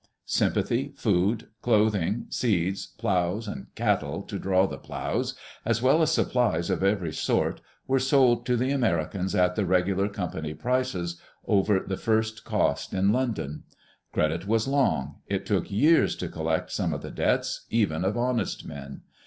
Sympathy, food, clothing, seeds, ploughs, and cattle to draw the ploughs, as well as supplies of every sort were sold to the Americans at the regular Company prices over the first cost in Lon don. Credit was long; it took years to collect some of the debts, even of honest men.